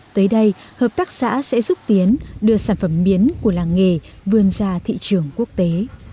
tới đây hợp tác xã sẽ giúp tiến đưa sản phẩm miến của làng nghề vươn ra thị trường quốc tế